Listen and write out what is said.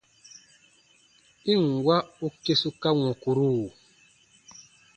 I ǹ wa u kesuka wɔ̃kuru!